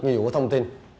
nhiều thông tin